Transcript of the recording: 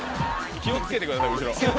気を付けてください後ろ。